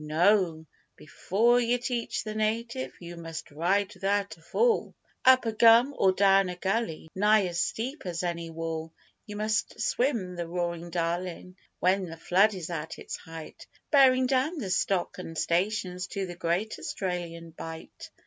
No, before yer teach the native you must ride without a fall Up a gum or down a gully nigh as steep as any wall You must swim the roarin' Darlin' when the flood is at its height Bearin' down the stock an' stations to the great Australian Bight.